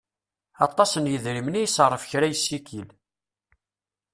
Aṭas n yedrimen i iṣerref kra yessikil.